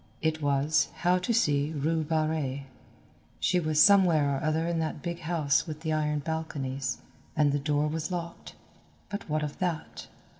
It was, how to see Rue Barrée. She was somewhere or other in that big house with the iron balconies, and the door was locked, but what of that?